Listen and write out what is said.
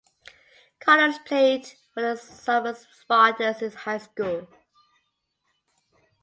Connors played for the Somers Spartans in high school.